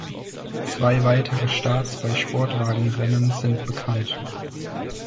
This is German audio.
Zwei weitere Starts bei Sportwagenrennen sind bekannt.